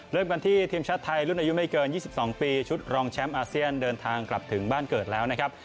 เริ่มกันที่ทีมชาติไทยรุ่นอายุไม่เกิน๒๒ปีชุดรองแชมป์อาเซียนเดินทางกลับถึงบ้านเกิดแล้วนะครับ